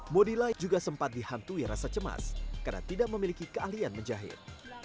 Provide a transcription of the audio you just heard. modila juga sempat dihantui rasa cemas karena tidak memiliki keahlian menjahit